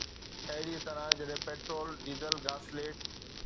اهڙي طرح جڏهن پيٽرول، ڊيزل، گاسليٽ